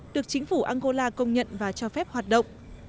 được chính phủ angola công nhận và cho phép hoạt động